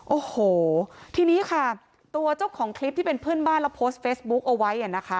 โอ้โหทีนี้ค่ะตัวเจ้าของคลิปที่เป็นเพื่อนบ้านแล้วโพสต์เฟซบุ๊กเอาไว้อ่ะนะคะ